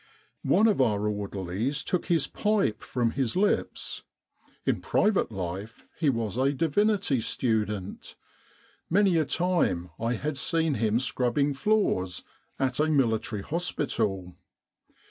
One of our orderlies took his pipe from his lips. In private life he was a Divinity student; many a time I had seen him scrubbing floors at Mili tary Hospital.